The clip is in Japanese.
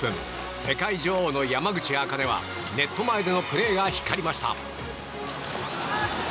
世界女王の山口茜はネット前でのプレーが光りました。